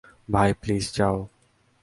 ভাই, প্লিজ যাও।